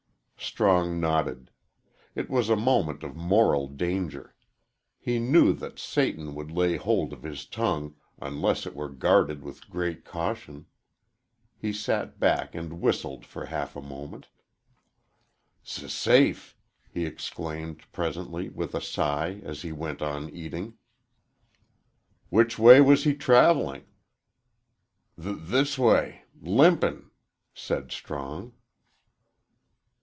Strong nodded. It was a moment of moral danger. He knew that Satan would lay hold of his tongue unless it were guarded with great caution. He sat back and whistled for half a moment. "S safe!" he exclaimed, presently, with a sigh, as he went on eating. "Which way was he travelling?" "Th this way limpin'," said Strong.